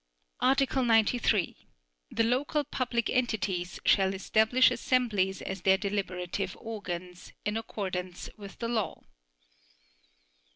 Article 93. The local public entities shall establish assemblies as their deliberative organs, in accordance with law.